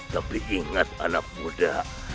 tapi ingat anak muda